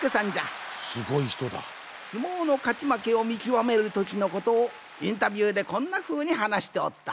相撲のかちまけをみきわめるときのことをインタビューでこんなふうにはなしておった。